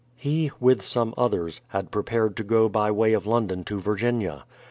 He, with some others, had prepared to go by way of London to Virginia.